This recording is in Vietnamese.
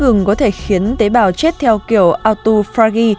gừng có thể khiến tế bào chết theo kiểu autophagy